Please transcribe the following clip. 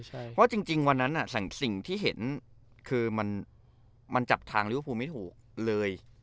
เพราะว่าจริงจริงวันนั้นอะสังสิ่งที่เห็นคือมันมันจับทางรีบภูลไม่ถูกเลย